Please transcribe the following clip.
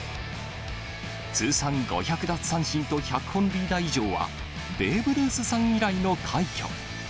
通算５００奪三振と１００本塁打以上は、ベーブ・ルースさん以来の快挙。